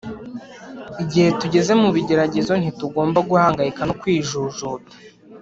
igihe tugeze mu bigeragezo ntitugomba guhangayika no kwijujuta